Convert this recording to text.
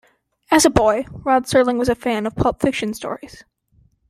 As a boy, Rod Serling was a fan of pulp fiction stories.